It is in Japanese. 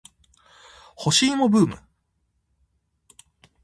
干し芋ブーム